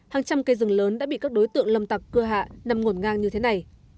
hàng trăm cây rừng lớn đã bị các đối tượng lâm tặc cưa hạ nằm ngổn ngang như thế này